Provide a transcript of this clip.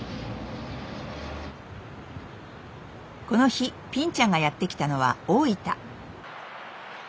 この日ぴんちゃんがやって来たのは大分。